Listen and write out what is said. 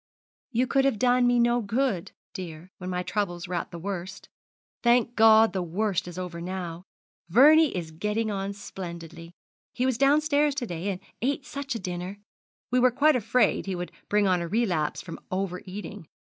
'You could have done me no good, dear, when my troubles were at the worst. Thank God the worst is over now Vernie is getting on splendidly. He was downstairs to day, and ate such a dinner. We were quite afraid he would bring on a relapse from over eating.